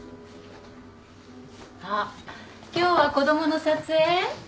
あっ今日は子供の撮影？